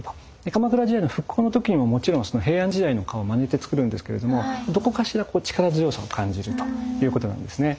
鎌倉時代の復興の時にももちろん平安時代の顔をまねて造るんですけれどもどこかしら力強さを感じるということなんですね。